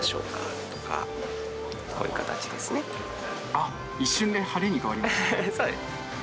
あ、一瞬で晴れに変わりましたね。